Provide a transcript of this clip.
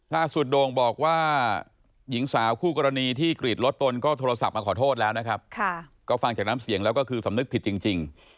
โด่งบอกว่าหญิงสาวคู่กรณีที่กรีดรถตนก็โทรศัพท์มาขอโทษแล้วนะครับก็ฟังจากน้ำเสียงแล้วก็คือสำนึกผิดจริง